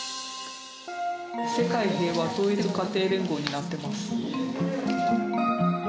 世界平和統一家庭連合になっています。